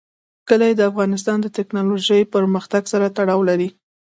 کلي د افغانستان د تکنالوژۍ پرمختګ سره تړاو لري.